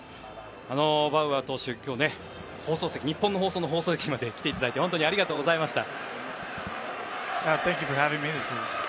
バウアー投手、今日は日本の放送席まで来ていただいて本当にありがとうございました。